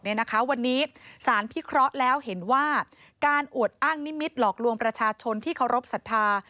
วันนี้สารพิเคราะห์แล้วเห็นว่าการอวดอ้างนิมิตหลอกลวงประชาชนที่เคารพสัทธา